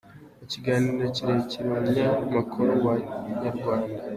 Mu kiganiro kirekire umunyamakuru wa Inyarwanda.